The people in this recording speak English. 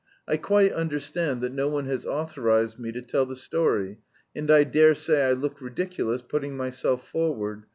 I quite understand that no one has authorised me to tell the story, and I dare say I look ridiculous putting myself forward.